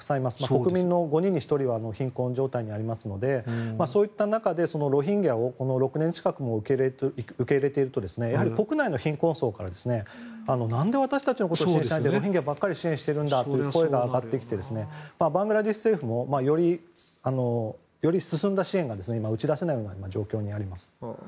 国民の５人に１人は貧困状態にありますのでそういった中で、ロヒンギャをこの６年近くも受け入れているとやはり国内の貧困層から何で私たちのことを支援しないでロヒンギャばかり支援するんだという声も上がってきてバングラデシュ政府もより進んだ支援が打ち出せないような状況にあります。